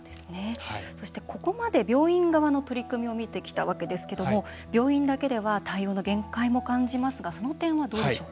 そして、ここまで病院側の取り組みを見てきたんですけど病院側だけでは対応の限界も感じますがその点は、どうでしょうか？